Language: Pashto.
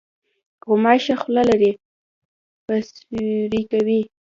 غوماشه خوله لري چې سوري کوي.